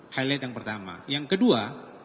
highlight yang pertama yang kedua